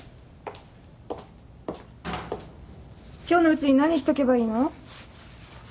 今日のうちに何しとけばいいの？